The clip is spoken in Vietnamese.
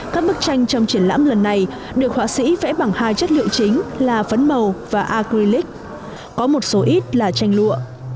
các bức tranh trong triển lãm lần này được họa sĩ vẽ bằng hai chất liệu chính là phấn màu và acrylic có một số ít là tranh lụa